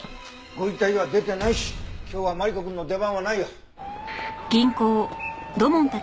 ご遺体は出てないし今日はマリコくんの出番はないよ。